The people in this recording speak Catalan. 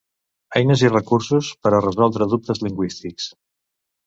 Eines i recursos per a resoldre dubtes lingüístics.